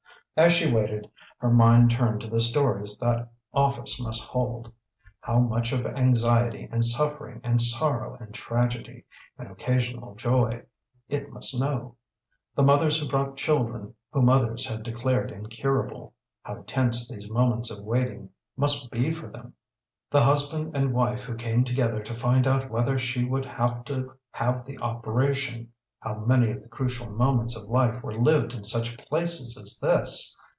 As she waited, her mind turned to the stories that office must hold. How much of anxiety and suffering and sorrow and tragedy and occasional joy it must know. The mothers who brought children whom others had declared incurable how tense these moments of waiting must be for them! The husband and wife who came together to find out whether she would have to have the operation how many of the crucial moments of life were lived in such places as this!